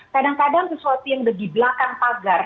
kadang kadang sesuatu yang di belakang pagar